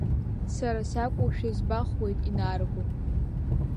Сара сакәушәа збахуеит инарго…